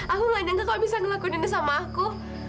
aku gak denger kamu bisa ngelakuin ini sama aku